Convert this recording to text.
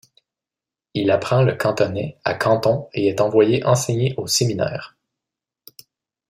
Il apprend le cantonais à Canton et est envoyé enseigner au séminaire.